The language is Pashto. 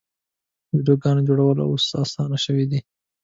د ویډیوګانو جوړول اوس اسانه شوي دي.